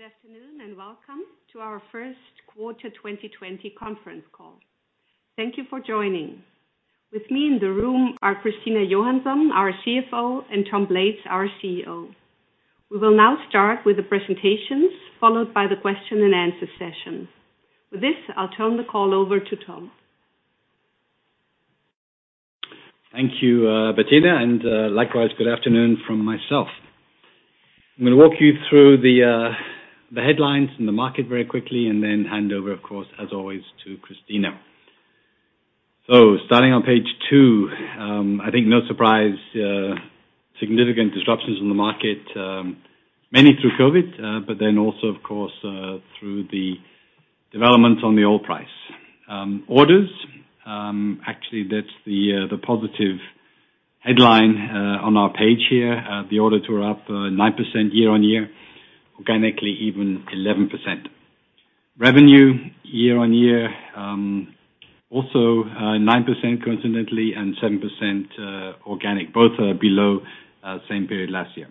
Good afternoon, and welcome to our first quarter 2020 conference call. Thank you for joining. With me in the room are Christina Johansson, our CFO, and Tom Blades, our CEO. We will now start with the presentations, followed by the question and answer session. With this, I'll turn the call over to Tom. Thank you, Bettina, and likewise, good afternoon from myself. I'm going to walk you through the headlines in the market very quickly and then hand over, of course, as always, to Christina. Starting on page two, I think no surprise, significant disruptions in the market, mainly through COVID, but then also, of course, through the developments on the oil price. Orders, actually, that's the positive headline on our page here. The orders were up 9% year-over-year, organically even 11%. Revenue year-over-year, also 9% coincidentally, and 7% organic. Both are below same period last year.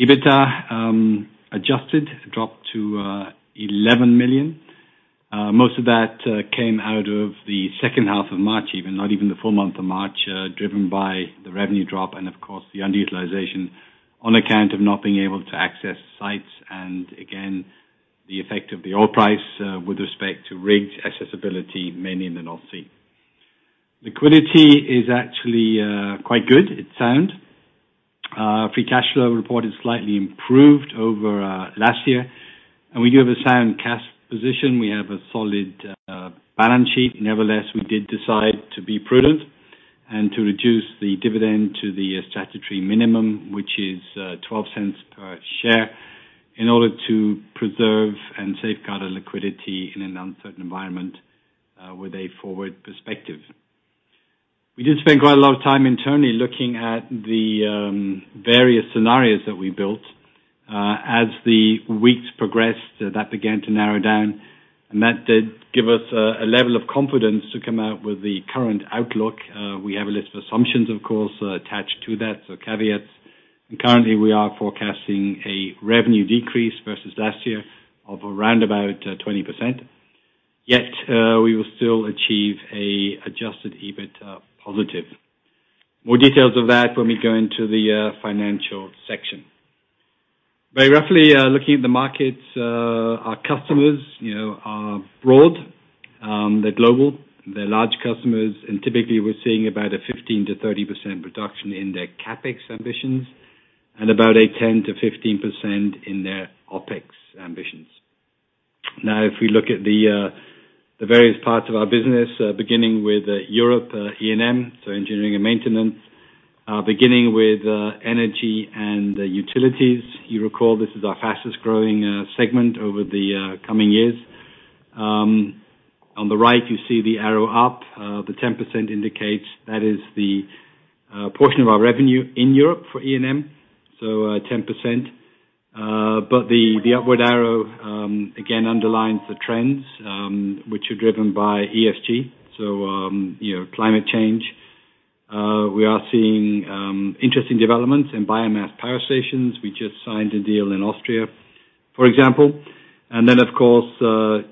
EBITA adjusted dropped to 11 million. Most of that came out of the second half of March, even, not even the full month of March, driven by the revenue drop and of course, the underutilization on account of not being able to access sites and again, the effect of the oil price with respect to rigs accessibility, mainly in the North Sea. Liquidity is actually quite good. It's sound. Free cash flow reported slightly improved over last year. We do have a sound cash position. We have a solid balance sheet. Nevertheless, we did decide to be prudent and to reduce the dividend to the statutory minimum, which is 0.12 per share, in order to preserve and safeguard our liquidity in an uncertain environment with a forward perspective. We did spend quite a lot of time internally looking at the various scenarios that we built. As the weeks progressed, that began to narrow down, and that did give us a level of confidence to come out with the current outlook. We have a list of assumptions, of course, attached to that, so caveats. Currently, we are forecasting a revenue decrease versus last year of around about 20%. Yet, we will still achieve an adjusted EBITA positive. More details of that when we go into the financial section. Very roughly, looking at the markets, our customers are broad. They're global. They're large customers, and typically we're seeing about a 15%-30% reduction in their CapEx ambitions and about a 10%-15% in their OpEx ambitions. Now if we look at the various parts of our business, beginning with Europe E&M, so Engineering & Maintenance, beginning with energy and utilities. You recall, this is our fastest-growing segment over the coming years. On the right, you see the arrow up. The 10% indicates that is the portion of our revenue in Europe for E&M, 10%. The upward arrow again underlines the trends, which are driven by ESG, climate change. We are seeing interesting developments in biomass power stations. We just signed a deal in Austria, for example. Of course,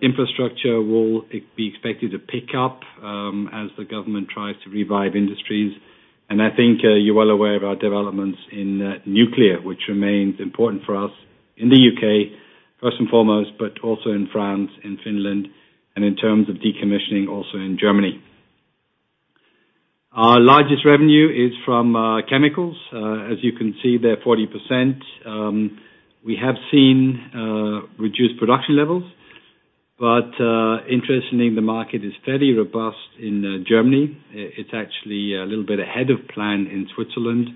infrastructure will be expected to pick up as the government tries to revive industries. I think you're well aware of our developments in nuclear, which remains important for us in the U.K., first and foremost, but also in France and Finland, and in terms of decommissioning, also in Germany. Our largest revenue is from chemicals. As you can see, they're 40%. We have seen reduced production levels. Interestingly, the market is fairly robust in Germany. It's actually a little bit ahead of plan in Switzerland.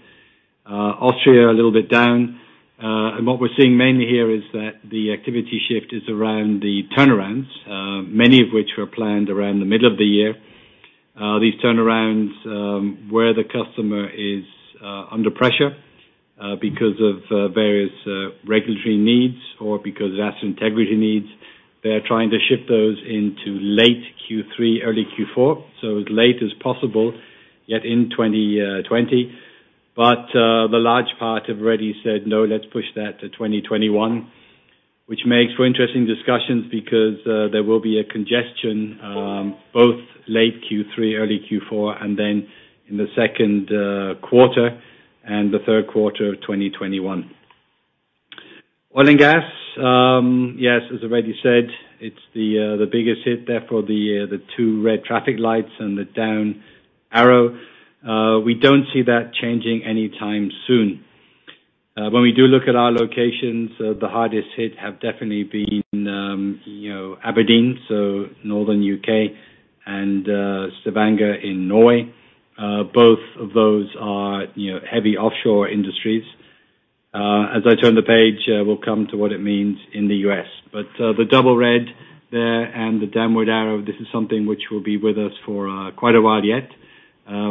Austria, a little bit down. What we're seeing mainly here is that the activity shift is around the turnarounds, many of which were planned around the middle of the year. These turnarounds, where the customer is under pressure because of various regulatory needs or because of asset integrity needs, they are trying to shift those into late Q3, early Q4, so as late as possible, yet in 2020. The large part have already said, "No, let's push that to 2021," which makes for interesting discussions because there will be a congestion both late Q3, early Q4, and then in the second quarter and the third quarter of 2021. Oil and gas. Yes, as already said, it's the biggest hit, therefore the two red traffic lights and the down arrow. We don't see that changing anytime soon. When we do look at our locations, the hardest hit have definitely been Aberdeen, so northern U.K. and Stavanger in Norway. Both of those are heavy offshore industries. As I turn the page, we'll come to what it means in the U.S. The double red there and the downward arrow, this is something which will be with us for quite a while yet.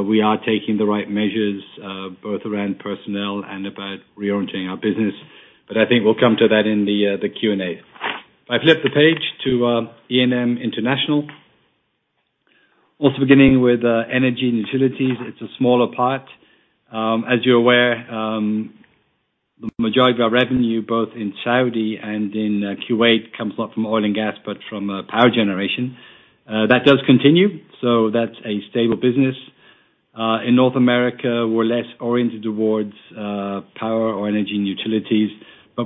We are taking the right measures, both around personnel and about reorienting our business. I think we'll come to that in the Q&A. I flip the page to E&M International. Also beginning with energy and utilities. It's a smaller part. As you're aware, the majority of our revenue, both in Saudi and in Kuwait, comes not from oil and gas, but from power generation. That does continue, that's a stable business. In North America, we're less oriented towards power or energy and utilities.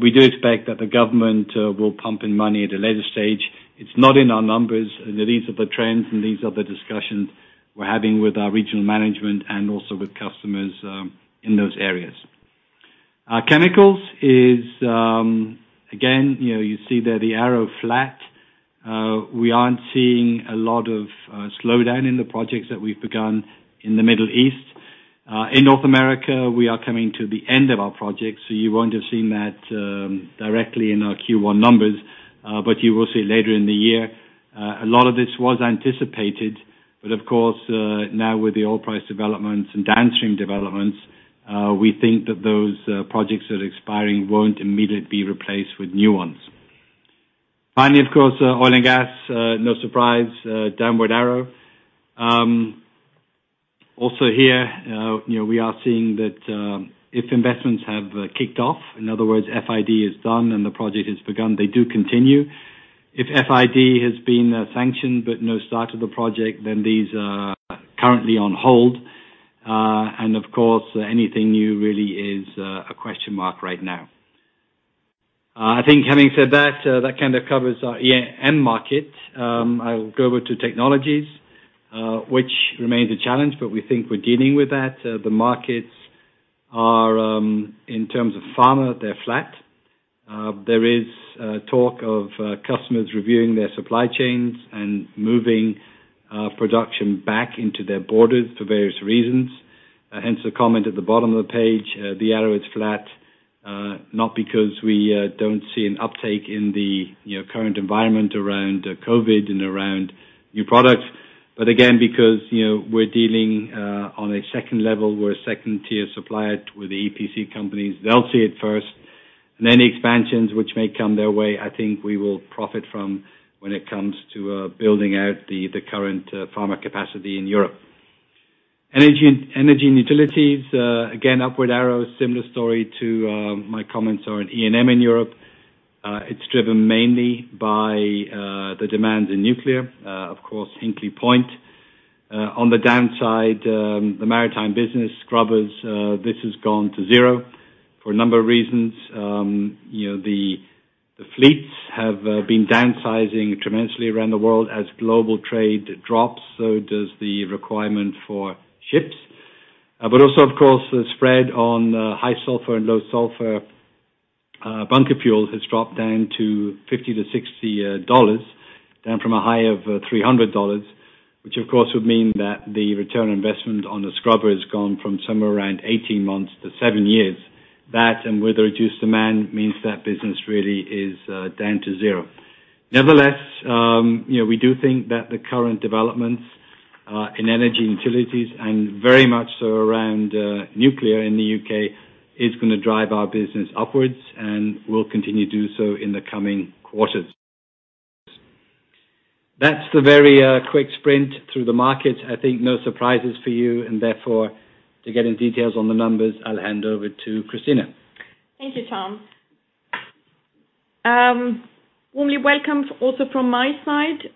We do expect that the government will pump in money at a later stage. It's not in our numbers. These are the trends. These are the discussions we're having with our regional management and also with customers in those areas. Chemicals is, again, you see there the arrow flat. We aren't seeing a lot of slowdown in the projects that we've begun in the Middle East. In North America, we are coming to the end of our project. You won't have seen that directly in our Q1 numbers. You will see later in the year. A lot of this was anticipated. Of course, now with the oil price developments and downstream developments, we think that those projects that are expiring won't immediately be replaced with new ones. Finally, of course, oil and gas, no surprise, downward arrow. Also here, we are seeing that if investments have kicked off, in other words, FID is done and the project is begun, they do continue. If FID has been sanctioned but no start of the project, then these are currently on hold. Of course, anything new really is a question mark right now. I think having said that kind of covers our end market. I will go over to technologies, which remains a challenge, but we think we're dealing with that. The markets are, in terms of pharma, they're flat. There is talk of customers reviewing their supply chains and moving production back into their borders for various reasons. Hence the comment at the bottom of the page. The arrow is flat, not because we don't see an uptake in the current environment around COVID and around new products, but again, because we're dealing on a second level. We're a second-tier supplier to the EPC companies. They'll see it first. Any expansions which may come their way, I think we will profit from when it comes to building out the current pharma capacity in Europe. Energy and utilities, again, upward arrow, similar story to my comments on E&M in Europe. It's driven mainly by the demands in nuclear, of course, Hinkley Point. On the downside, the maritime business scrubbers, this has gone to zero for a number of reasons. The fleets have been downsizing tremendously around the world. As global trade drops, so does the requirement for ships. Also, of course, the spread on high sulfur and low sulfur bunker fuel has dropped down to EUR 50-EUR 60, down from a high of EUR 300, which, of course, would mean that the return on investment on a scrubber has gone from somewhere around 18 months to seven years. That, and with the reduced demand, means that business really is down to zero. Nevertheless, we do think that the current developments in energy and utilities, and very much so around nuclear in the U.K., is going to drive our business upwards and will continue to do so in the coming quarters. That's the very quick sprint through the market. I think no surprises for you, and therefore, to get in details on the numbers, I'll hand over to Christina. Thank you, Tom. Warmly welcome also from my side.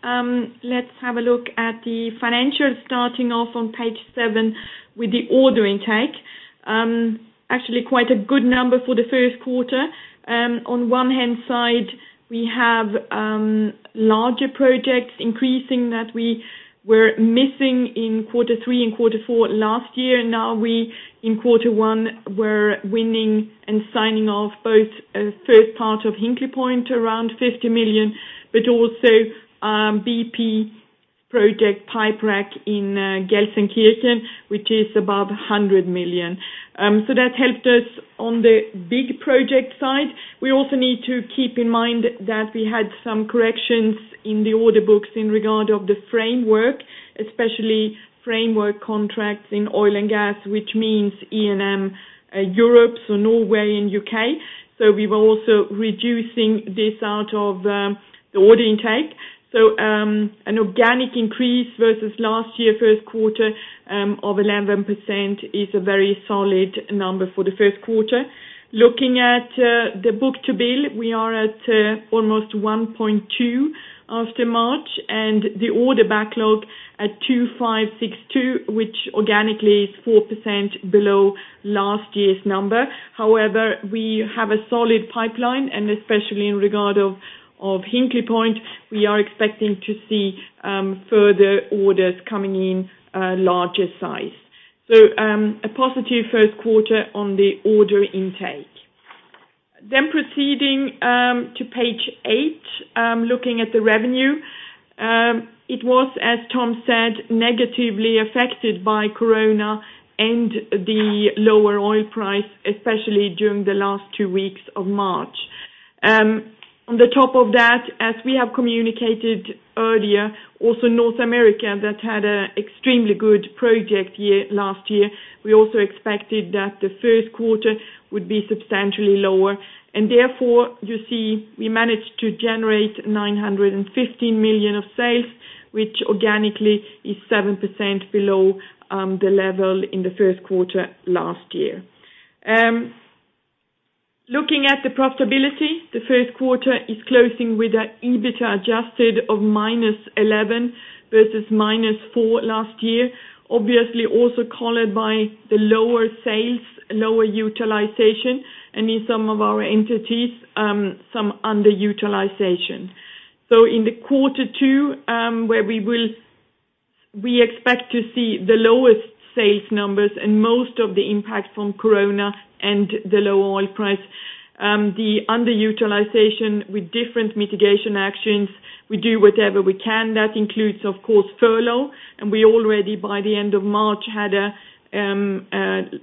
Let's have a look at the financials, starting off on page seven with the order intake. Actually, quite a good number for the first quarter. On one hand side, we have larger projects increasing that we were missing in quarter three and quarter four last year. In quarter one, we're winning and signing off both first part of Hinkley Point, around 50 million, but also BP project pipe rack in Gelsenkirchen, which is above 100 million. That helped us on the big project side. We also need to keep in mind that we had some corrections in the order books in regard of the framework, especially framework contracts in oil and gas, which means E&M, Europe, Norway and U.K. We were also reducing this out of the order intake. An organic increase versus last year first quarter of 11% is a very solid number for the first quarter. Looking at the book-to-bill, we are at almost 1.2 after March, and the order backlog at 2,562, which organically is 4% below last year's number. However, we have a solid pipeline, and especially in regard of Hinkley Point, we are expecting to see further orders coming in larger size. A positive first quarter on the order intake. Proceeding to page eight, looking at the revenue. It was, as Tom said, negatively affected by COVID and the lower oil price, especially during the last two weeks of March. On the top of that, as we have communicated earlier, also North America that had an extremely good project last year. We also expected that the first quarter would be substantially lower, therefore, you see we managed to generate 915 million of sales, which organically is 7% below the level in the first quarter last year. Looking at the profitability, the first quarter is closing with an EBITA adjusted of -11 versus -4 last year, obviously also colored by the lower sales, lower utilization, and in some of our entities, some underutilization. In the quarter two, where we expect to see the lowest sales numbers and most of the impact from COVID and the low oil price, the underutilization with different mitigation actions, we do whatever we can. That includes, of course, furlough, and we already, by the end of March, had a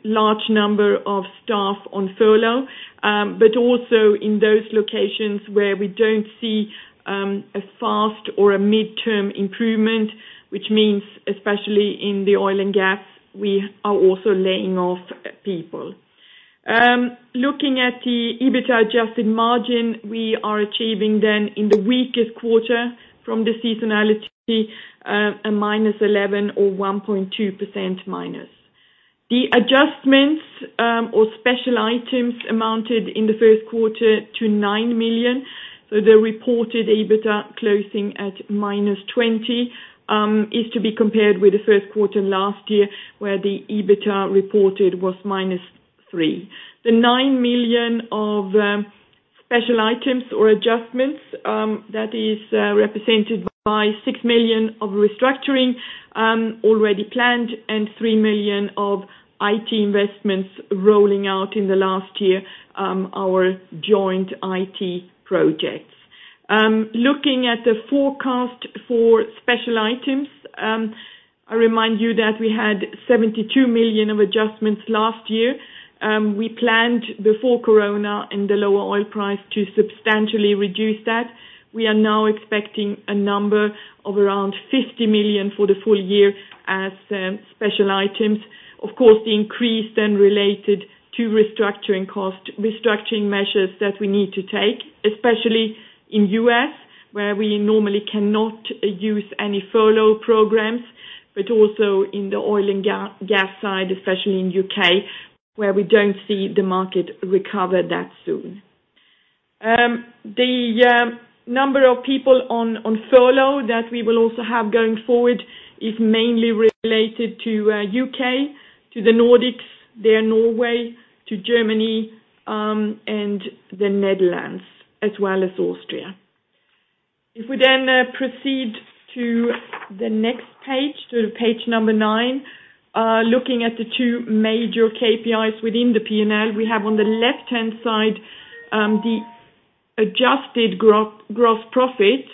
large number of staff on furlough. Also in those locations where we don't see a fast or a mid-term improvement, which means especially in the oil and gas, we are also laying off people. Looking at the EBITA adjusted margin, we are achieving then in the weakest quarter from the seasonality, a -11 or 1.2% minus. The adjustments, or special items, amounted in the first quarter to 9 million. The reported EBITDA closing at -20 million, is to be compared with the first quarter last year, where the EBITDA reported was -3 million. The 9 million of special items or adjustments, that is represented by 6 million of restructuring, already planned, and 3 million of IT investments rolling out in the last year, our joint IT projects. Looking at the forecast for special items. I remind you that we had 72 million of adjustments last year. We planned before Corona and the lower oil price to substantially reduce that. We are now expecting a number of around 50 million for the full year as special items. The increase then related to restructuring measures that we need to take, especially in U.S. where we normally cannot use any furlough programs, but also in the oil and gas side, especially in U.K., where we don't see the market recover that soon. The number of people on furlough that we will also have going forward is mainly related to U.K., to the Nordics, there Norway, to Germany, and the Netherlands, as well as Austria. We proceed to the next page, to page number nine. Looking at the two major KPIs within the P&L, we have on the left-hand side, the adjusted gross profit.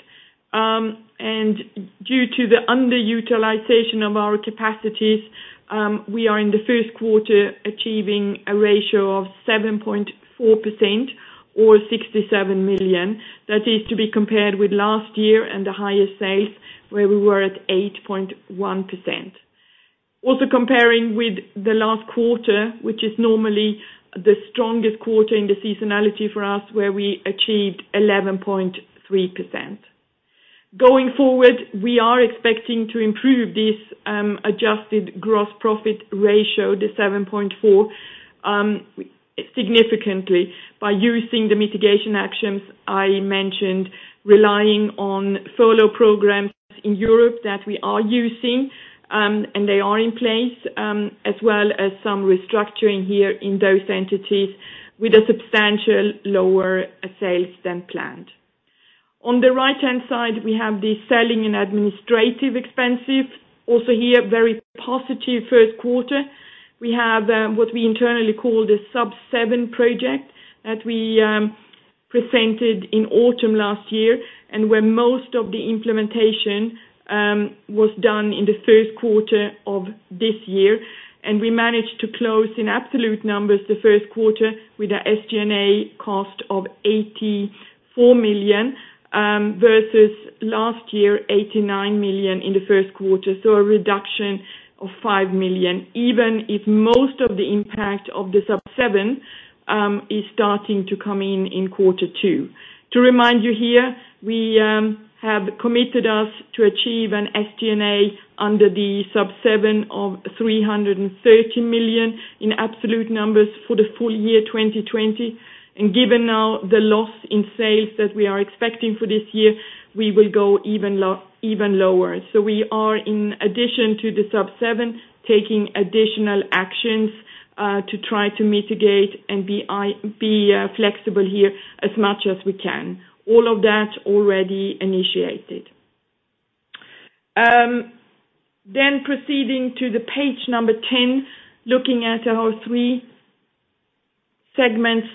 Due to the underutilization of our capacities, we are in the first quarter achieving a ratio of 7.4% or 67 million. That is to be compared with last year and the highest sales where we were at 8.1%. Also comparing with the last quarter, which is normally the strongest quarter in the seasonality for us, where we achieved 11.3%. Going forward, we are expecting to improve this adjusted gross profit ratio, the 7.4%, significantly by using the mitigation actions I mentioned, relying on furlough programs in Europe that we are using, and they are in place, as well as some restructuring here in those entities with a substantial lower sales than planned. On the right-hand side, we have the selling and administrative expenses. Also here, very positive first quarter. We have what we internally call the SubSeven project that we presented in autumn last year, where most of the implementation was done in the first quarter of this year. We managed to close in absolute numbers the first quarter with an SG&A cost of 84 million, versus last year, 89 million in the first quarter. A reduction of 5 million, even if most of the impact of the SubSeven, is starting to come in quarter two. To remind you here, we have committed us to achieve an SG&A under the SubSeven of 330 million in absolute numbers for the full year 2020. Given now the loss in sales that we are expecting for this year, we will go even lower. We are, in addition to the SubSeven, taking additional actions to try to mitigate and be flexible here as much as we can. All of that already initiated. Proceeding to the page number 10, looking at our three segments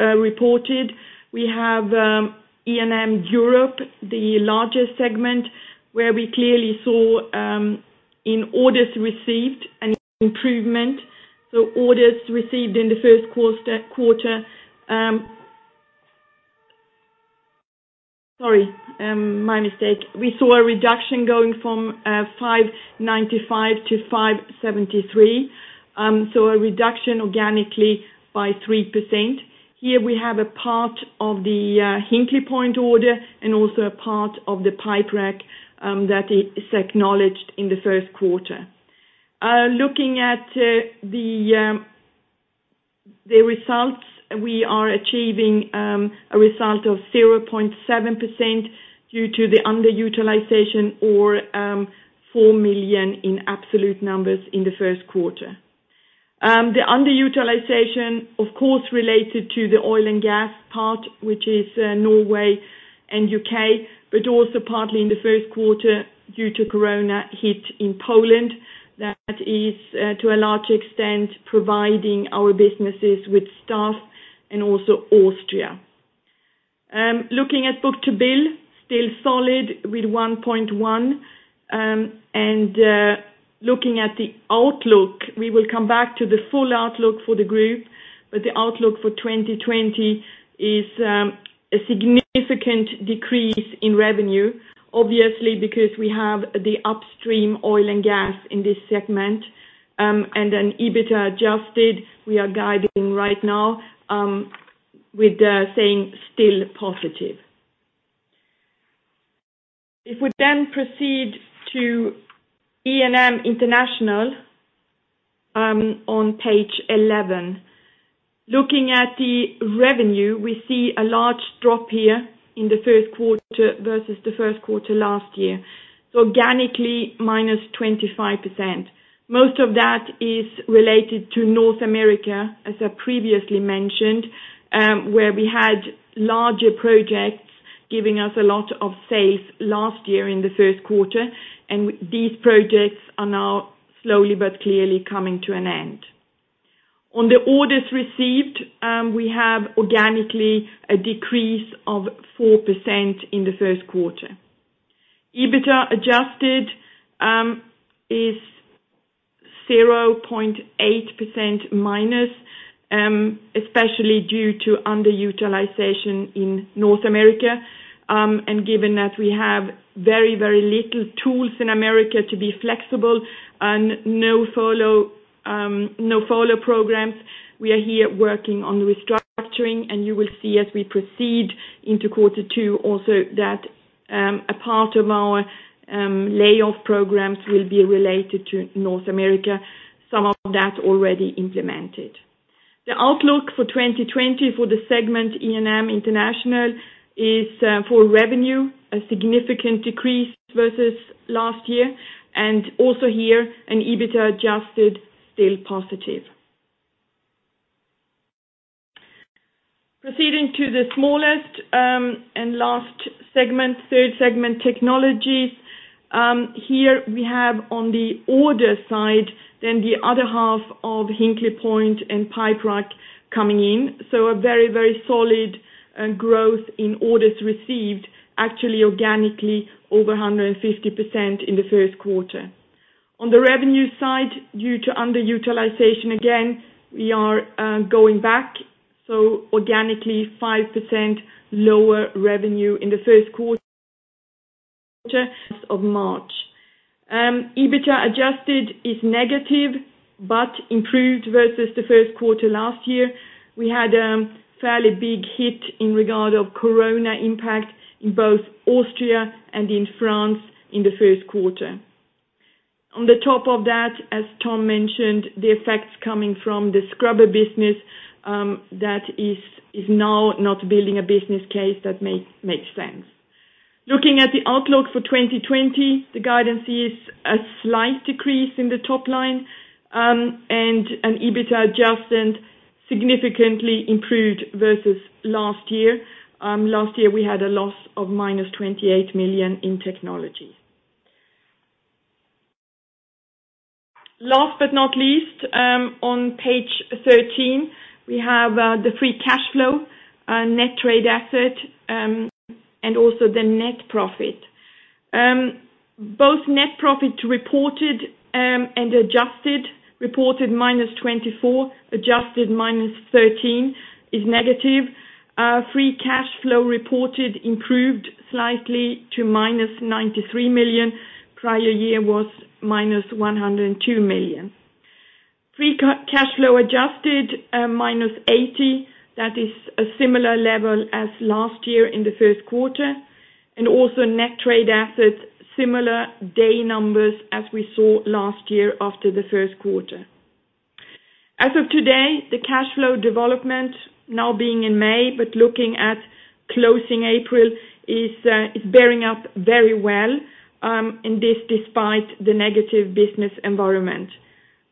reported. We have E&M Europe, the largest segment, where we clearly saw in orders received an improvement. Orders received in the first quarter. Sorry, my mistake. We saw a reduction going from 595 to 573. A reduction organically by 3%. Here we have a part of the Hinkley Point order and also a part of the pipe rack that is acknowledged in the first quarter. Looking at the results, we are achieving a result of 0.7% due to the underutilization or 4 million in absolute numbers in the first quarter. The underutilization, of course, related to the oil and gas part, which is Norway and U.K., but also partly in the first quarter due to COVID hit in Poland. That is, to a large extent, providing our businesses with staff. Also Austria. Looking at book-to-bill, still solid with 1.1. Looking at the outlook, we will come back to the full outlook for the group, but the outlook for 2020 is a significant decrease in revenue, obviously, because we have the upstream oil and gas in this segment. EBITDA adjusted, we are guiding right now with saying still positive. If we then proceed to E&M International on page 11. Looking at the revenue, we see a large drop here in the first quarter versus the first quarter last year. Organically, minus 25%. Most of that is related to North America, as I previously mentioned, where we had larger projects giving us a lot of sales last year in the first quarter. These projects are now slowly but clearly coming to an end. On the orders received, we have organically a decrease of 4% in the first quarter. EBITDA adjusted is 0.8% minus, especially due to underutilization in North America. Given that we have very, very little tools in America to be flexible and no furlough programs, we are here working on restructuring, and you will see as we proceed into quarter two also that a part of our layoff programs will be related to North America, some of that already implemented. The outlook for 2020 for the segment E&M International is for revenue, a significant decrease versus last year, and also here an EBITDA adjusted still positive. Proceeding to the smallest, and last segment, third segment, Technologies. Here we have on the order side then the other half of Hinkley Point and pipe rack coming in. A very, very solid growth in orders received, actually organically over 150% in the first quarter. On the revenue side, due to underutilization, again, we are going back, organically 5% lower revenue in the first quarter of March. EBITDA adjusted is negative, but improved versus the first quarter last year. We had a fairly big hit in regard of COVID impact in both Austria and in France in the first quarter. On the top of that, as Tom mentioned, the effects coming from the scrubber business, that is now not building a business case that makes sense. Looking at the outlook for 2020, the guidance is a slight decrease in the top line, and an EBITDA adjustment significantly improved versus last year. Last year, we had a loss of -28 million in technology. Last but not least, on page 13, we have the free cash flow, net trade asset, and also the net profit. Both net profit reported and adjusted. Reported minus 24, adjusted minus 13 is negative. Free cash flow reported improved slightly to minus 93 million, prior year was minus 102 million. Free cash flow adjusted, minus 80. That is a similar level as last year in the first quarter, and also net trade assets, similar day numbers as we saw last year after the first quarter. As of today, the cash flow development now being in May, but looking at closing April is bearing up very well, and this despite the negative business environment.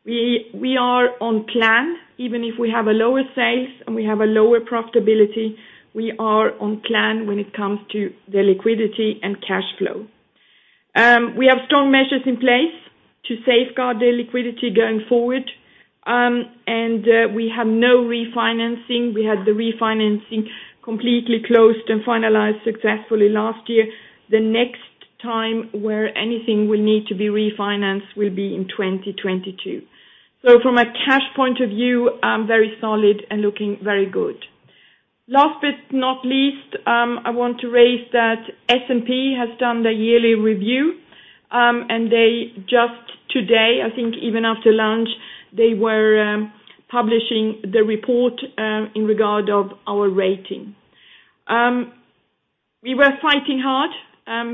We are on plan. Even if we have a lower sales and we have a lower profitability, we are on plan when it comes to the liquidity and cash flow. We have strong measures in place to safeguard the liquidity going forward. We have no refinancing. We had the refinancing completely closed and finalized successfully last year. The next time where anything will need to be refinanced will be in 2022. From a cash point of view, very solid and looking very good. Last but not least, I want to raise that S&P has done their yearly review, and they just today, I think even after lunch, they were publishing the report in regard of our rating. We were fighting hard,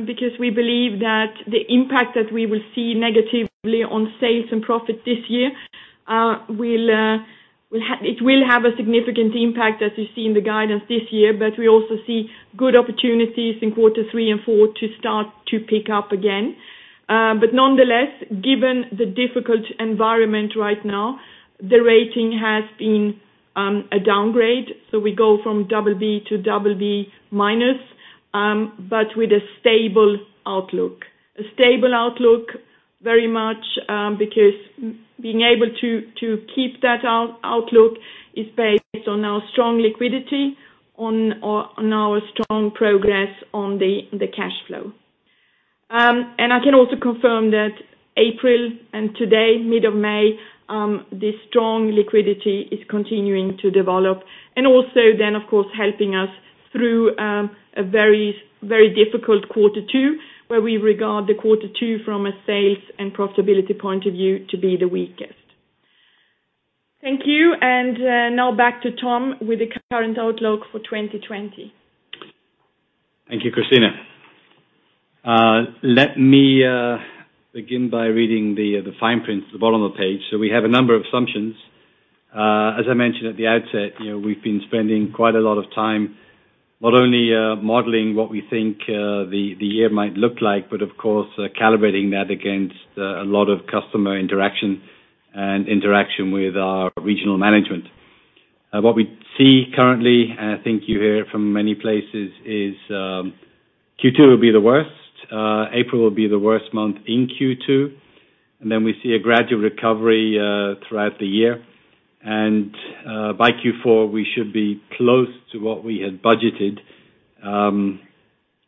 because we believe that the impact that we will see negatively on sales and profit this year, it will have a significant impact as you see in the guidance this year. We also see good opportunities in quarter three and four to start to pick up again. Nonetheless, given the difficult environment right now, the rating has been a downgrade. We go from Double B to Double B minus, but with a stable outlook. A stable outlook very much because being able to keep that outlook is based on our strong liquidity, on our strong progress on the cash flow. I can also confirm that April and today, mid of May, this strong liquidity is continuing to develop. Also of course helping us through a very difficult quarter two, where we regard the quarter two from a sales and profitability point of view to be the weakest. Thank you. Now back to Tom with the current outlook for 2020. Thank you, Christina. Let me begin by reading the fine print at the bottom of the page. We have a number of assumptions. As I mentioned at the outset, we've been spending quite a lot of time not only modeling what we think the year might look like, but of course, calibrating that against a lot of customer interaction and interaction with our regional management. What we see currently, and I think you hear it from many places, is Q2 will be the worst. April will be the worst month in Q2. We see a gradual recovery, throughout the year. By Q4, we should be close to what we had budgeted.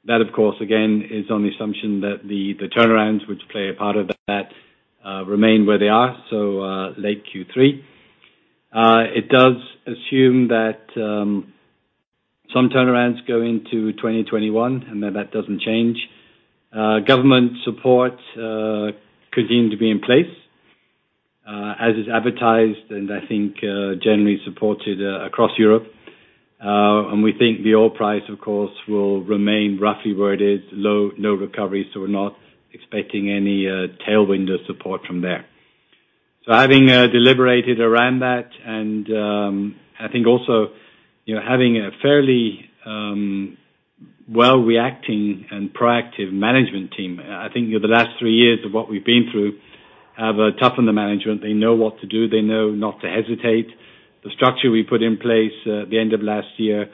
That, of course, again, is on the assumption that the turnarounds, which play a part of that, remain where they are, so late Q3. It does assume that some turnarounds go into 2021, and that that doesn't change. Government support continues to be in place, as is advertised, and I think generally supported across Europe. We think the oil price, of course, will remain roughly where it is. Low, no recovery, so we're not expecting any tailwind or support from there. Having deliberated around that, and I think also having a fairly well reacting and proactive management team, I think the last three years of what we've been through have toughened the management. They know what to do. They know not to hesitate. The structure we put in place at the end of last year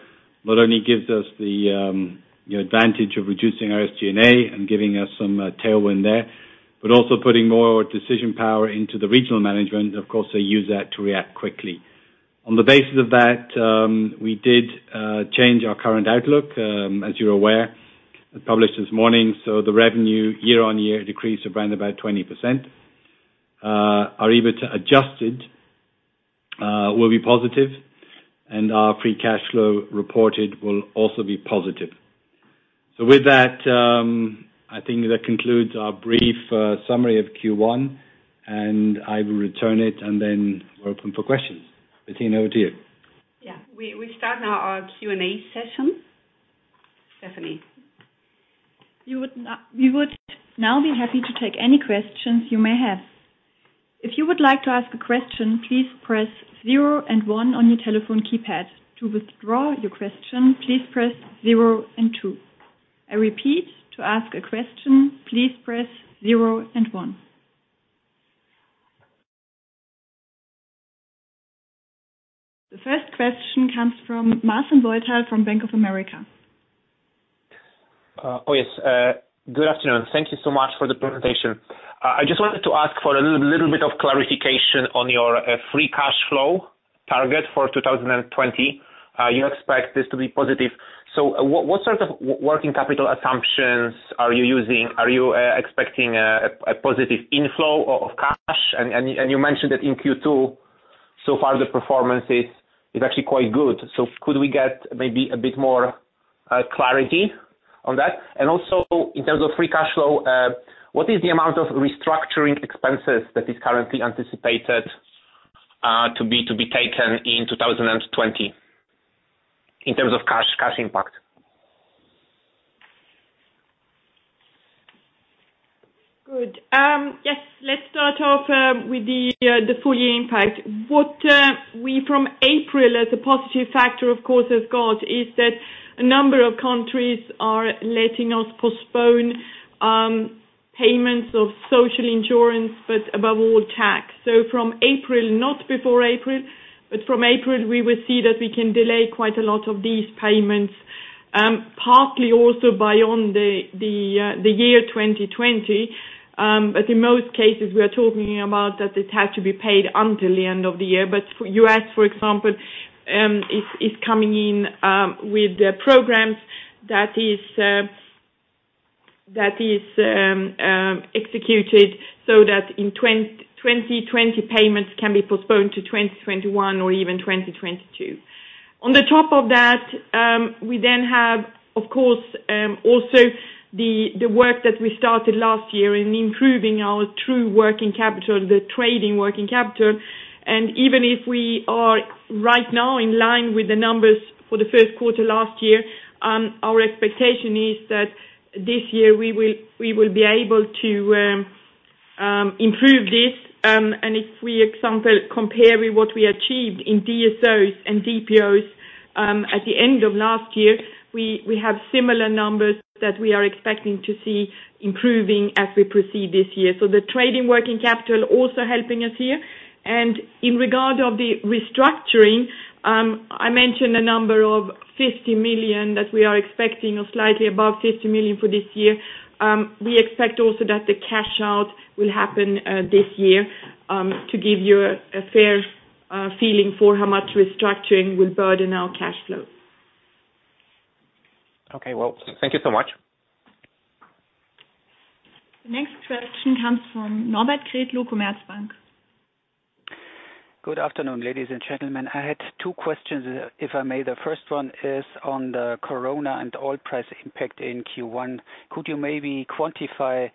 not only gives us the advantage of reducing our SG&A and giving us some tailwind there, but also putting more decision power into the regional management. Of course, they use that to react quickly. On the basis of that, we did change our current outlook, as you're aware. Published this morning, the revenue year-on-year decreased around about 20%. Our EBITA adjusted will be positive, and our free cash flow reported will also be positive. With that, I think that concludes our brief summary of Q1, and I will return it, and then we're open for questions. Bettina, over to you. Yeah. We start now our Q&A session. Stephanie. We would now be happy to take any questions you may have. If you would like to ask a question, please press zero and one on your telephone keypad. To withdraw your question, please press zero and two. I repeat, to ask a question, please press zero and one. The first question comes from Martin Teitel from Bank of America. Oh, yes. Good afternoon. Thank you so much for the presentation. I just wanted to ask for a little bit of clarification on your free cash flow target for 2020. You expect this to be positive. What sort of working capital assumptions are you using? Are you expecting a positive inflow of cash? You mentioned that in Q2, so far the performance is actually quite good. Could we get maybe a bit more clarity on that? Also, in terms of free cash flow, what is the amount of restructuring expenses that is currently anticipated to be taken in 2020 in terms of cash impact? Good. Let's start off with the full year impact. What we from April as a positive factor, of course, have got is that a number of countries are letting us postpone payments of social insurance, but above all, tax. From April, not before April, but from April, we will see that we can delay quite a lot of these payments, partly also beyond the year 2020. In most cases, we are talking about that it had to be paid until the end of the year. U.S., for example, is coming in with programs that is executed so that in 2020, payments can be postponed to 2021 or even 2022. On the top of that, we then have, of course, also the work that we started last year in improving our true working capital, the trading working capital. Even if we are right now in line with the numbers for the first quarter last year, our expectation is that this year we will be able to improve this. If we, example, compare with what we achieved in DSOs and DPOs at the end of last year, we have similar numbers that we are expecting to see improving as we proceed this year. The trading working capital also helping us here. In regard of the restructuring, I mentioned a number of 50 million that we are expecting, or slightly above 50 million for this year. We expect also that the cash out will happen this year, to give you a fair feeling for how much restructuring will burden our cash flow. Okay. Well, thank you so much. The next question comes from Norbert Kretlow, Commerzbank. Good afternoon, ladies and gentlemen. I had two questions, if I may. The first one is on the corona and oil price impact in Q1. Could you maybe quantify,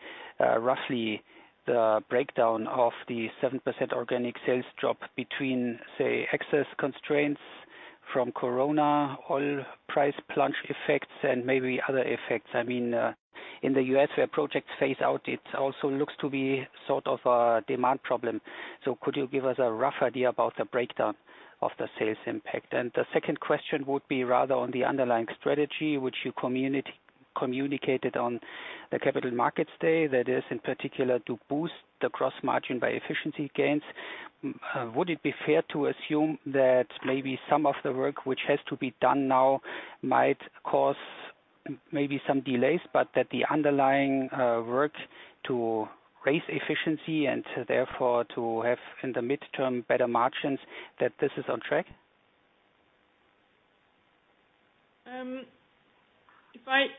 roughly, the breakdown of the 7% organic sales drop between, say, excess constraints from corona, oil price plunge effects, and maybe other effects? I mean, in the U.S., where projects phase out, it also looks to be sort of a demand problem. Could you give us a rough idea about the breakdown of the sales impact? The second question would be rather on the underlying strategy which you communicated on the Capital Markets Day, that is, in particular, to boost the gross margin by efficiency gains. Would it be fair to assume that maybe some of the work which has to be done now might cause maybe some delays, but that the underlying work to raise efficiency and therefore to have, in the midterm, better margins, that this is on track?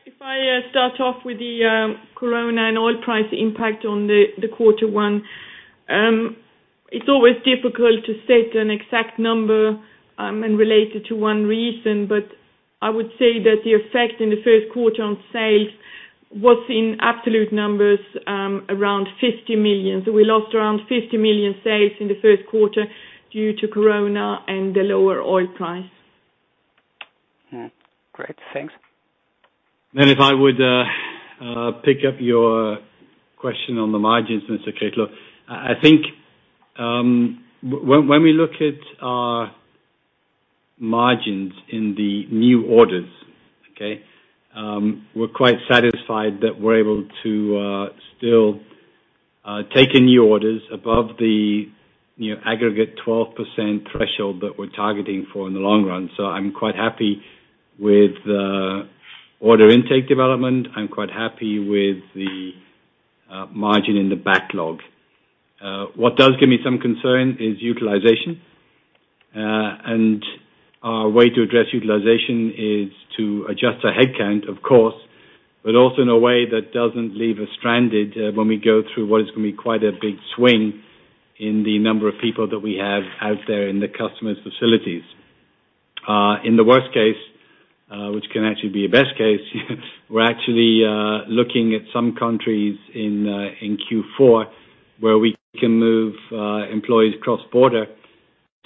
If I start off with the corona and oil price impact on the quarter one. It's always difficult to set an exact number, and relate it to one reason. I would say that the effect in the first quarter on sales was in absolute numbers, around 50 million. We lost around 50 million sales in the first quarter due to corona and the lower oil price. Great, thanks. If I would pick up your question on the margins, Mr. Kretlow. I think when we look at our margins in the new orders, okay, we're quite satisfied that we're able to still take in new orders above the aggregate 12% threshold that we're targeting for in the long run. I'm quite happy with the order intake development. I'm quite happy with the margin in the backlog. What does give me some concern is utilization. Our way to address utilization is to adjust our headcount, of course, but also in a way that doesn't leave us stranded when we go through what is going to be quite a big swing in the number of people that we have out there in the customer's facilities. In the worst case, which can actually be a best case, we're actually looking at some countries in Q4 where we can move employees cross-border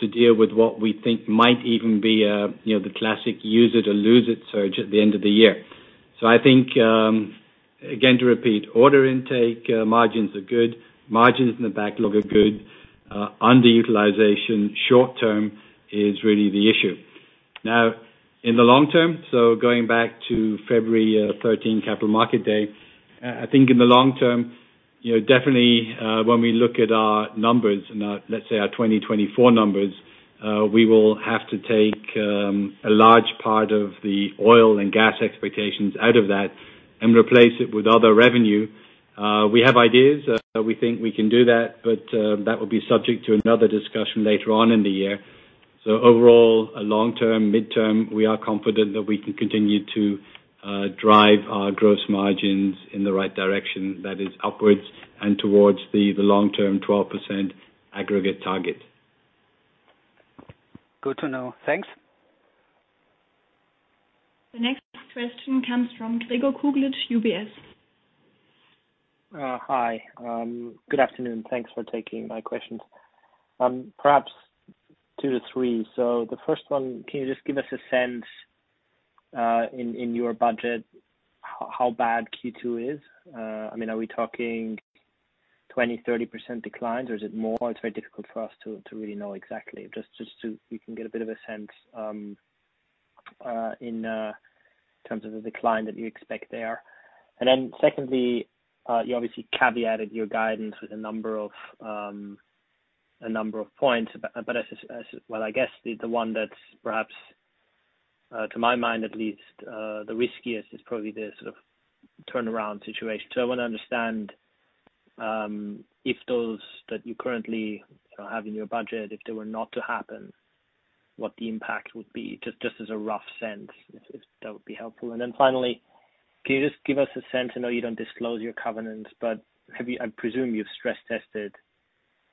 to deal with what we think might even be the classic use-it-or-lose-it surge at the end of the year. I think, again, to repeat, order intake margins are good. Margins in the backlog are good. Underutilization short term is really the issue. Now, in the long term, so going back to February 13, Capital Market Day, I think in the long term, definitely when we look at our numbers now, let's say our 2024 numbers, we will have to take a large part of the oil and gas expectations out of that and replace it with other revenue. We have ideas we think we can do that, but that will be subject to another discussion later on in the year. Overall, long term, midterm, we are confident that we can continue to drive our gross margins in the right direction, that is upwards and towards the long-term 12% aggregate target. Good to know. Thanks. The next question comes from Gregor Kuglitsch, UBS. Hi. Good afternoon. Thanks for taking my questions. Perhaps two to three. The first one, can you just give us a sense, in your budget, how bad Q2 is? Are we talking 20, 30% declines or is it more? It's very difficult for us to really know exactly. Just so we can get a bit of a sense in terms of the decline that you expect there. Secondly, you obviously caveated your guidance with a number of points, but I guess the one that's perhaps, to my mind at least, the riskiest is probably the sort of turnaround situation. I want to understand if those that you currently have in your budget, if they were not to happen, what the impact would be, just as a rough sense, if that would be helpful. Finally, can you just give us a sense, I know you don't disclose your covenants, but I presume you've stress tested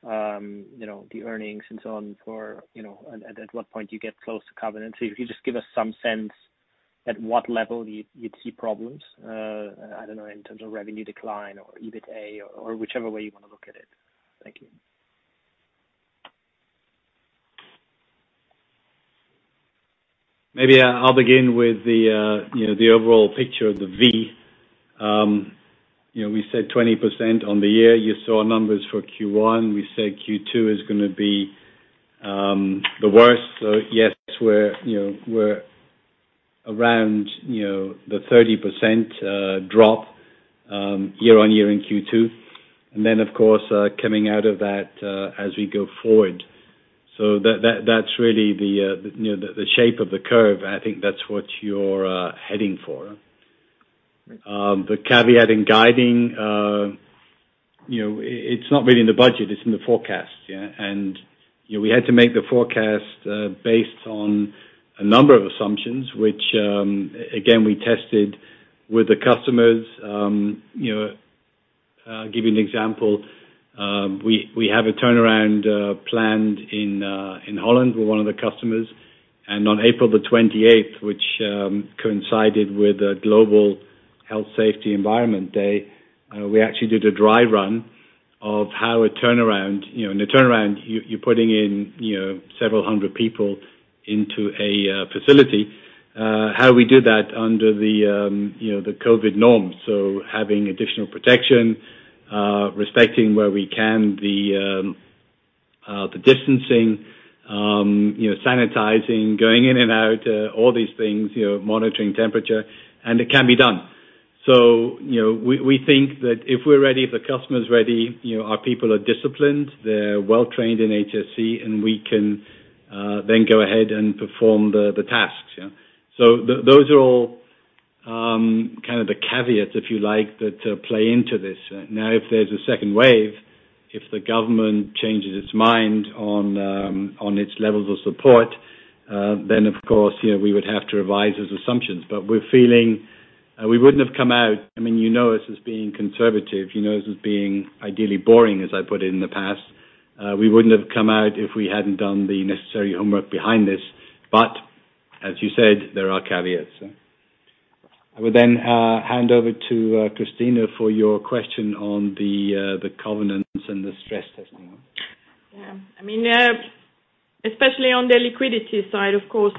the earnings and so on for, at what point you get close to covenants. If you just give us some sense at what level you'd see problems, I don't know, in terms of revenue decline or EBITA or whichever way you want to look at it. Thank you. Maybe I'll begin with the overall picture of the V. We said 20% on the year. You saw numbers for Q1. We said Q2 is going to be the worst. Yes, we're around the 30% drop year-on-year in Q2. Of course, coming out of that as we go forward. That's really the shape of the curve. I think that's what you're heading for. Right. The caveat in guiding, it's not really in the budget, it's in the forecast. We had to make the forecast based on a number of assumptions, which again, we tested with the customers. Give you an example. On April the 28th, which coincided with Global Health Safety Environment Day, we actually did a dry run of how a turnaround, in a turnaround, you're putting in several hundred people into a facility. How we do that under the COVID norms. Having additional protection, respecting where we can, the distancing, sanitizing, going in and out, all these things, monitoring temperature, and it can be done. We think that if we're ready, if the customer's ready, our people are disciplined, they're well-trained in HSE, and we can then go ahead and perform the tasks. Those are all kind of the caveats, if you like, that play into this. If there's a second wave, if the government changes its mind on its levels of support, then of course, we would have to revise those assumptions. We're feeling we wouldn't have come out, you know us as being conservative, you know us as being ideally boring, as I put it in the past. We wouldn't have come out if we hadn't done the necessary homework behind this. As you said, there are caveats. I will hand over to Christina for your question on the covenants and the stress testing. Yeah. Especially on the liquidity side, of course,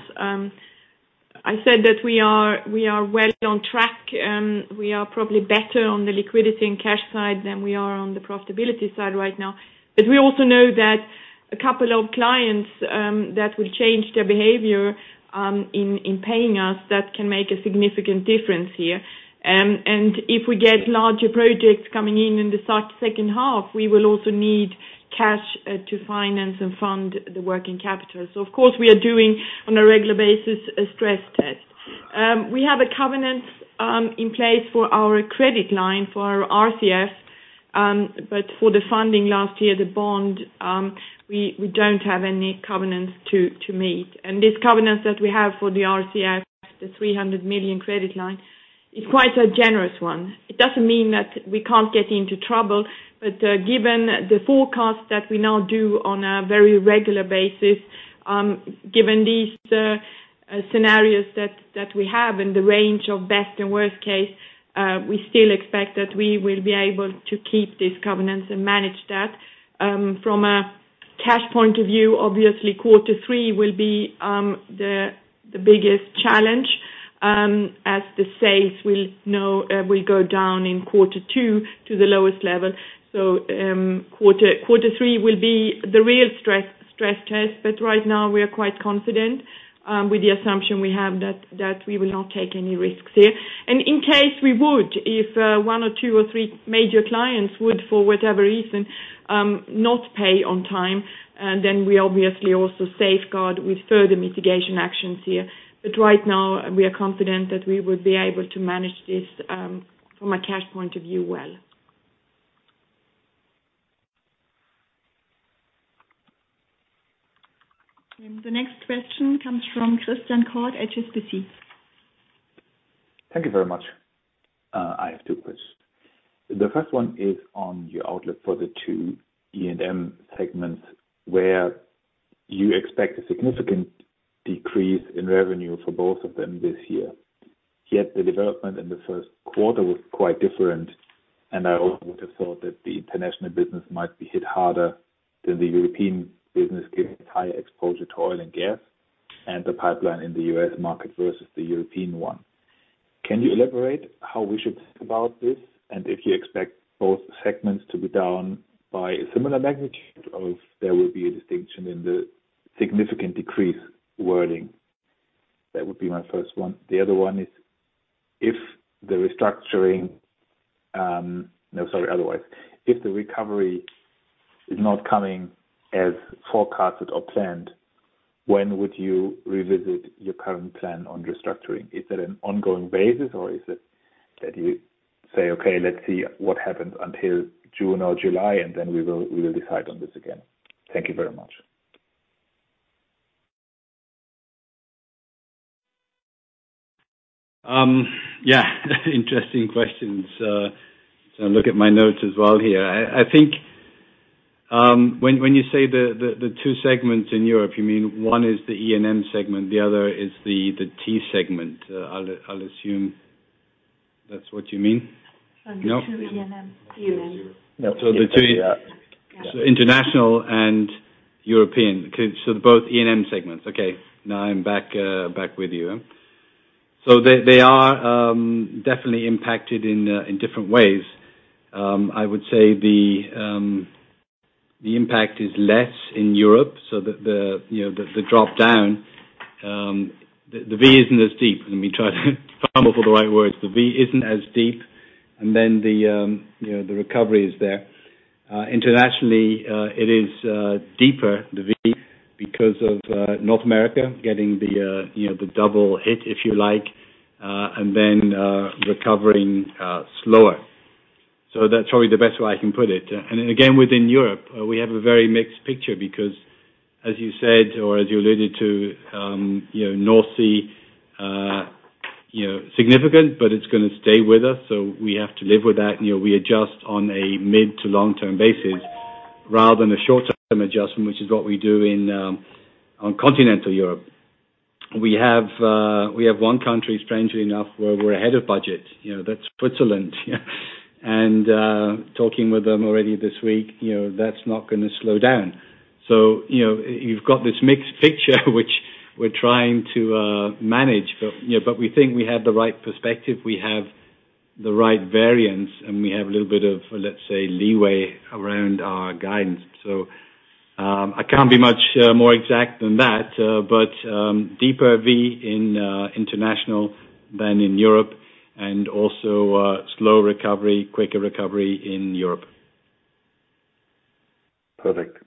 I said that we are well on track. We are probably better on the liquidity and cash side than we are on the profitability side right now. We also know that a couple of clients that will change their behavior in paying us, that can make a significant difference here. If we get larger projects coming in in the start of second half, we will also need cash to finance and fund the working capital. Of course, we are doing on a regular basis a stress test. We have a covenant in place for our credit line for our RCF. For the funding last year, the bond, we don't have any covenants to meet. This covenant that we have for the RCF, the 300 million credit line, is quite a generous one. It doesn't mean that we can't get into trouble. Given the forecast that we now do on a very regular basis, given these scenarios that we have in the range of best and worst case, we still expect that we will be able to keep this covenant and manage that. From a cash point of view, obviously quarter three will be the biggest challenge, as the sales will go down in quarter two to the lowest level. Quarter three will be the real stress test. Right now we are quite confident with the assumption we have that we will not take any risks here. In case we would, if one or two or three major clients would, for whatever reason, not pay on time, then we obviously also safeguard with further mitigation actions here. Right now we are confident that we will be able to manage this from a cash point of view well. The next question comes from Christian Koch, HSBC. Thank you very much. I have two questions. The first one is on your outlook for the two E&M segments where you expect a significant decrease in revenue for both of them this year. The development in the first quarter was quite different, and I also would have thought that the international business might be hit harder than the European business given its higher exposure to oil and gas and the pipeline in the U.S. market versus the European one. Can you elaborate how we should think about this? If you expect both segments to be down by a similar magnitude, or if there will be a distinction in the significant decrease wording? That would be my first one. If the recovery is not coming as forecasted or planned, when would you revisit your current plan on restructuring? Is it an ongoing basis, or is it that you say, "Okay, let's see what happens until June or July, and then we will decide on this again"? Thank you very much. Yeah. Interesting questions. I look at my notes as well here. I think when you say the two segments in Europe, you mean one is the E&M segment, the other is the T segment. I'll assume that's what you mean. No? Under 2 E&M. E&M. Yes, you're right. Yeah. The two international and European. Okay, both E&M segments. Okay. I'm back with you. They are definitely impacted in different ways. I would say the impact is less in Europe, so the drop down, the V isn't as deep. Let me try to fumble for the right words. The V isn't as deep, and then the recovery is there. Internationally, it is deeper, the V, because of North America getting the double hit, if you like, and then recovering slower. That's probably the best way I can put it. Again, within Europe, we have a very mixed picture because, as you said, or as you alluded to, North Sea, significant, but it's going to stay with us, so we have to live with that. We adjust on a mid to long-term basis rather than a short-term adjustment, which is what we do on continental Europe. We have one country, strangely enough, where we're ahead of budget. That's Switzerland. Talking with them already this week, that's not going to slow down. You've got this mixed picture which we're trying to manage. We think we have the right perspective, we have the right variance, and we have a little bit of, let's say, leeway around our guidance. I can't be much more exact than that. Deeper V in international than in Europe, and also slower recovery, quicker recovery in Europe. Perfect.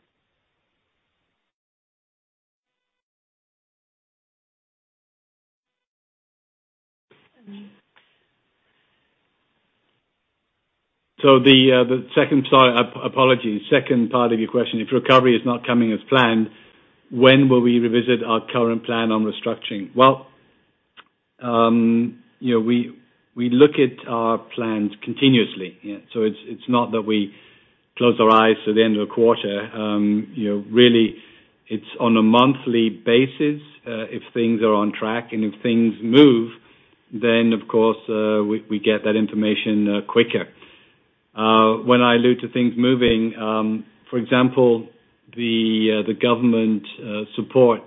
And then- The second part, apologies. Second part of your question, if recovery is not coming as planned, when will we revisit our current plan on restructuring? We look at our plans continuously. It's not that we close our eyes to the end of the quarter. It's on a monthly basis, if things are on track, and if things move, of course, we get that information quicker. When I allude to things moving, for example, the government support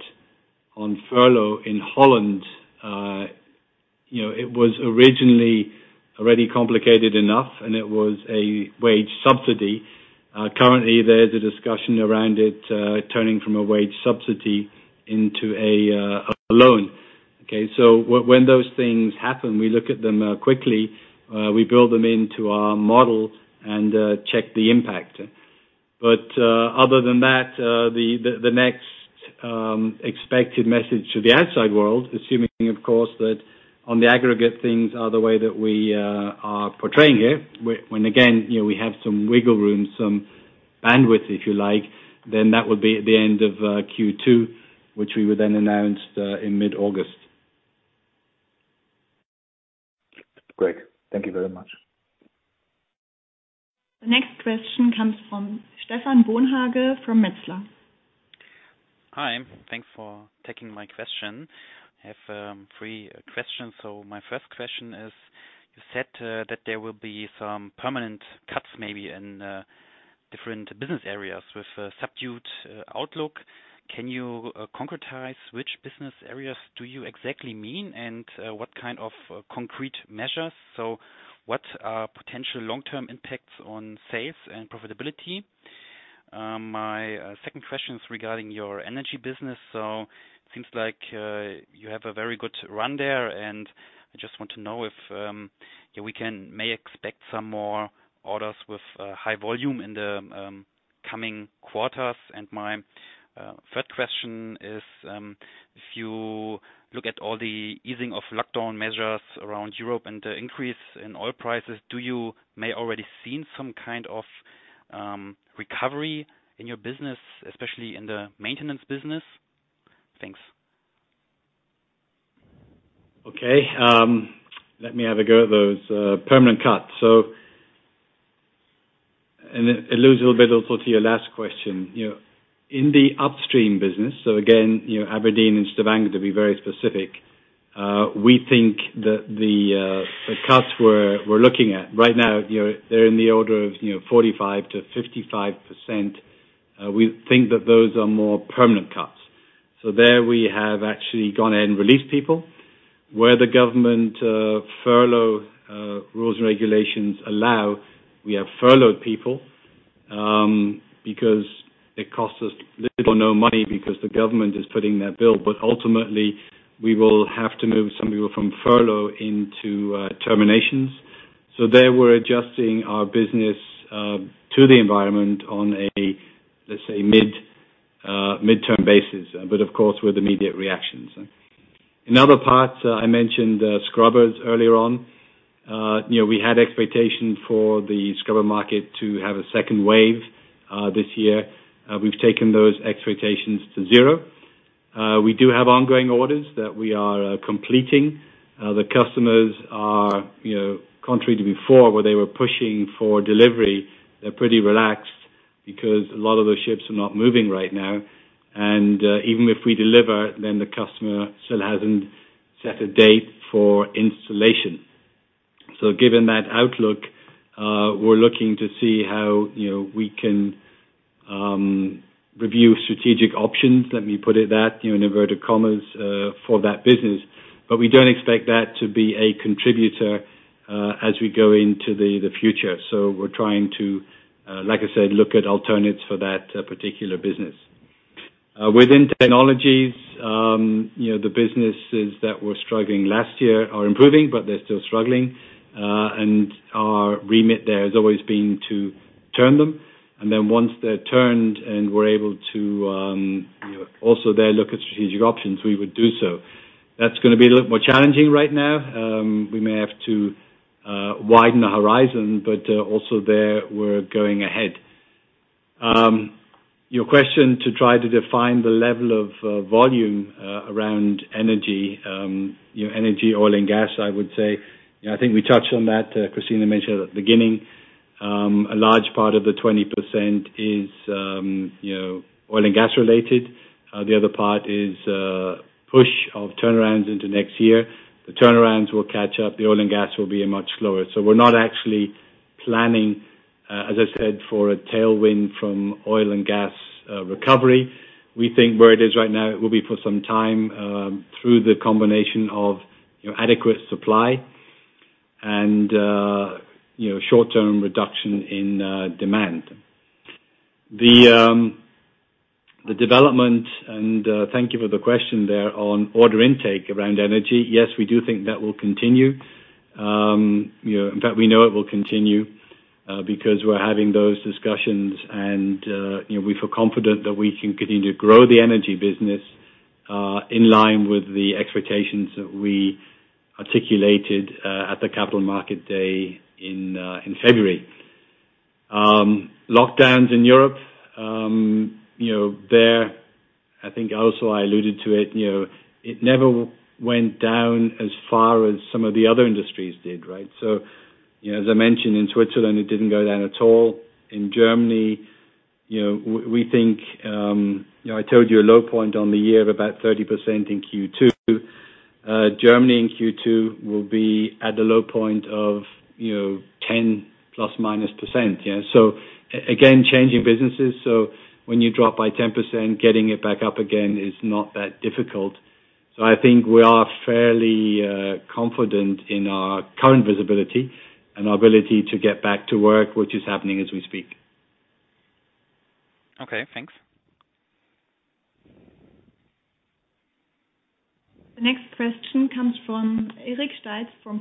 on furlough in Holland, it was originally already complicated enough, and it was a wage subsidy. Currently, there's a discussion around it turning from a wage subsidy into a loan. Okay? When those things happen, we look at them quickly, we build them into our model and check the impact. Other than that, the next expected message to the outside world, assuming, of course, that on the aggregate, things are the way that we are portraying here, when again, we have some wiggle room, some bandwidth, if you like, then that would be at the end of Q2, which we would then announce in mid-August. Great. Thank you very much. The next question comes from Stephan Bonhage from Metzler. Hi. Thanks for taking my question. I have three questions. My first question is, you said that there will be some permanent cuts maybe in different business areas with a subdued outlook. Can you concretize which business areas do you exactly mean, and what kind of concrete measures? What are potential long-term impacts on sales and profitability? My second question is regarding your energy business. It seems like you have a very good run there, and I just want to know if we can, may expect some more orders with high volume in the coming quarters. My third question is, if you look at all the easing of lockdown measures around Europe and the increase in oil prices, do you may already seen some kind of recovery in your business, especially in the maintenance business? Thanks. Okay. Let me have a go at those permanent cuts. It alludes a little bit also to your last question. In the upstream business, again, Aberdeen and Stavanger, to be very specific, we think that the cuts we're looking at right now, they're in the order of 45%-55%. We think that those are more permanent cuts. There we have actually gone ahead and released people. Where the government furlough rules and regulations allow, we have furloughed people, because it costs us little or no money because the government is footing that bill. Ultimately, we will have to move some people from furlough into terminations. There, we're adjusting our business to the environment on a, let's say, midterm basis. Of course, with immediate reactions. In other parts, I mentioned scrubbers earlier on. We had expectation for the scrubber market to have a second wave this year. We've taken those expectations to zero. We do have ongoing orders that we are completing. The customers are, contrary to before, where they were pushing for delivery, they're pretty relaxed because a lot of those ships are not moving right now. Even if we deliver, the customer still hasn't set a date for installation. Given that outlook, we're looking to see how we can review strategic options, let me put it that, in inverted commas, for that business. We don't expect that to be a contributor as we go into the future. We're trying to, like I said, look at alternatives for that particular business. Within technologies, the businesses that were struggling last year are improving, but they're still struggling. Our remit there has always been to turn them, and then once they're turned and we're able to also there look at strategic options, we would do so. That's going to be a little more challenging right now. We may have to widen the horizon, but also there, we're going ahead. Your question to try to define the level of volume around energy, oil and gas, I would say, I think we touched on that. Christina mentioned at the beginning. A large part of the 20% is oil and gas related. The other part is a push of turnarounds into next year. The turnarounds will catch up. The oil and gas will be much slower. We're not actually planning, as I said, for a tailwind from oil and gas recovery. We think where it is right now, it will be for some time through the combination of adequate supply and short-term reduction in demand. Thank you for the question there on order intake around energy. Yes, we do think that will continue. In fact, we know it will continue because we're having those discussions and we feel confident that we can continue to grow the energy business in line with the expectations that we articulated at the Capital Market Day in February. Lockdowns in Europe, there, I think also I alluded to it. It never went down as far as some of the other industries did, right? As I mentioned in Switzerland, it didn't go down at all. In Germany, I told you a low point on the year of about 30% in Q2. Germany in Q2 will be at the low point of 10 ±%. Again, changing businesses. When you drop by 10%, getting it back up again is not that difficult. I think we are fairly confident in our current visibility and our ability to get back to work, which is happening as we speak. Okay, thanks. The next question comes from Eric Steitz from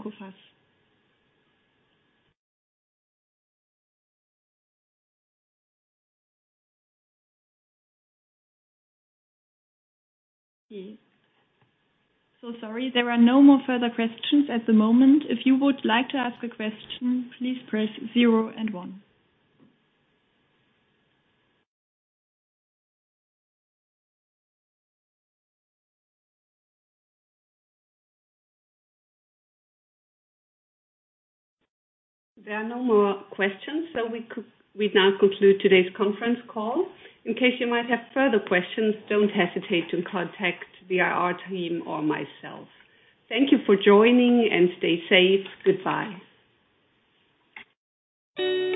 Coface. Sorry. There are no more further questions at the moment. If you would like to ask a question, please press zero and one. There are no more questions, so we now conclude today's conference call. In case you might have further questions, don't hesitate to contact the IR team or myself. Thank you for joining, and stay safe. Goodbye.